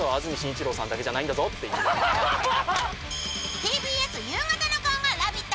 ＴＢＳ夕方の顔が「ラヴィット！」